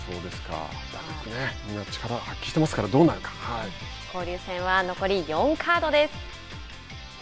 みんな力を発揮していますから交流戦は、残り４カードです。